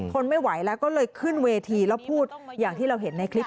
ทนไม่ไหวแล้วก็เลยขึ้นเวทีแล้วพูดอย่างที่เราเห็นในคลิป